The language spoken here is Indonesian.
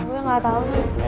gue gak tau sih